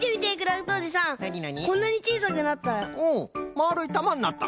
まあるいたまになった。